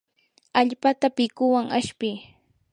allpata pikuwan ashpii.